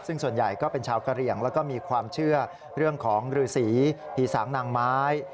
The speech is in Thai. ซึ่งส่วนใหญ่ก็เป็นชาวกะเหลี่ยงแล้วก็มีความเชื่อเรื่องของฤษีผีสางนางไม้